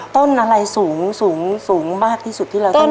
ต้นอะไรสูงสูงมากที่สุดที่เราต้อง